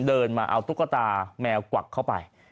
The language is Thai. เดินมาเอาตุ๊กตาแมวกวักเข้าไป